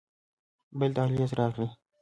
بل دهليز راغى.